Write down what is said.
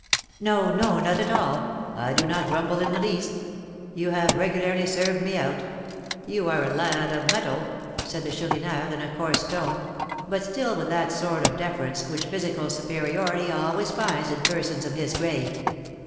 "No, no, not at all; I do not grumble in the least. You have regularly served me out, you are a lad of mettle," said the Chourineur, in a coarse tone, but still with that sort of deference which physical superiority always finds in persons of his grade.